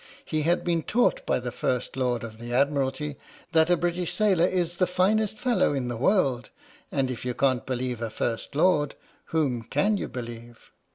He had been taught by the First Lord of the Admiralty that a British sailor is the finest fellow in the world, and if you can't believe a First Lord, whom can you believe?